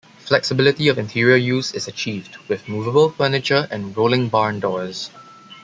Flexibility of interior use is achieved with moveable furniture and rolling barn doors.